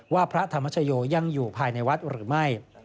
พระธรรมชโยยังอยู่ภายในวัดหรือไม่